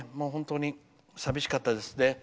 本当に寂しかったです。